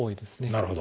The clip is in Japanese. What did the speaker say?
なるほど。